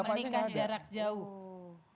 menikah jarak jauh